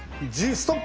ストップ！